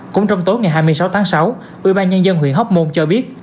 cũng trong tối ngày hai mươi sáu tháng sáu ubnd huyện hoc mon cho biết